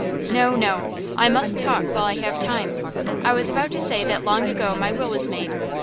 "No, no; I must talk while I have time. I was about to say that long ago my will was made.